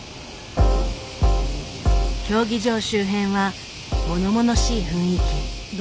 競技場周辺はものものしい雰囲気。